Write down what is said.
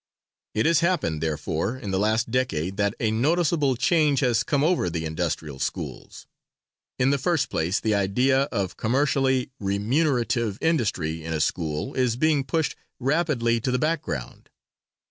It has happened, therefore, in the last decade, that a noticeable change has come over the industrial schools. In the first place the idea of commercially remunerative industry in a school is being pushed rapidly to the back ground.